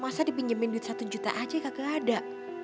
masa dipinjemin duit satu juta aja kakak ada